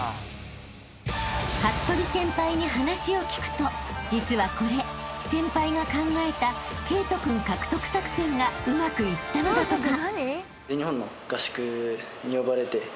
［服部先輩に話を聞くと実はこれ先輩が考えた慧登君獲得作戦がうまくいったのだとか］